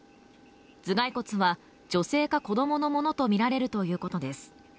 頭蓋骨は女性か子供のものと見られるということです